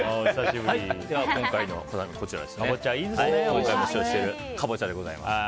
今回は、今日も使用しているカボチャでございます。